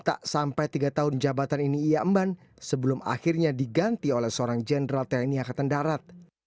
tak sampai tiga tahun jabatan ini ia emban sebelum akhirnya diganti oleh seorang jenderal tni akatan darat